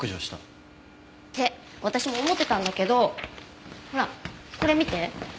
って私も思ってたんだけどほらこれ見て。